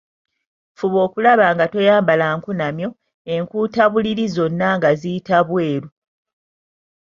Fuba okulaba nga toyambala nkunamyo, enkuutabuliri zonna nga ziyita bweru.